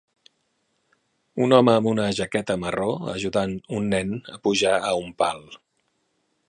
Un home amb una jaqueta marró ajudant un nen a pujar a un pal.